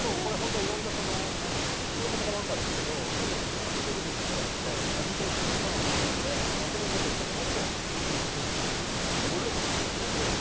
いろんなこれたまたま赤ですけど多分８色、１０色ぐらいあって味と一緒にカラーも違うのでまとめてギフトとかにもオススメなチョコです。